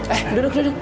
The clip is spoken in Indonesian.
eh duduk duduk